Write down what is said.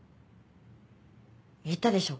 言ったでしょ